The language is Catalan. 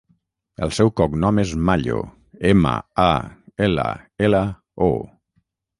El seu cognom és Mallo: ema, a, ela, ela, o.